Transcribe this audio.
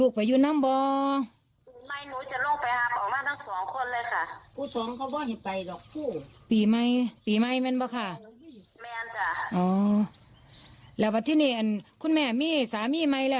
คุณแม่มีสามีไหมล่ะ